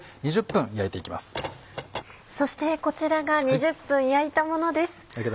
そしてこちらが２０分焼いたものです。